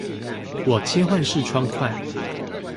我切換視窗快